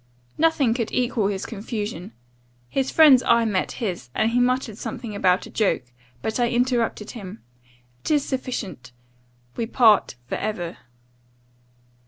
"Nothing could equal his confusion. His friend's eye met his, and he muttered something about a joke But I interrupted him 'It is sufficient We part for ever.